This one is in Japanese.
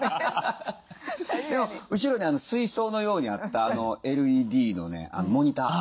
でも後ろに水槽のようにあったＬＥＤのねモニター。